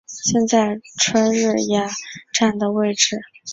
现在春日野站的位置在多摩线计画时便是设站地点之一。